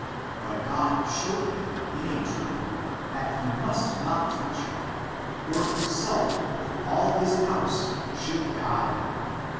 But God showed him, in a dream, that he must not touch her, or himself, with all his house, should die.